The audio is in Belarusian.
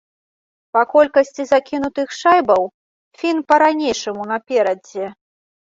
Па колькасці закінутых шайбаў фін па-ранейшаму наперадзе.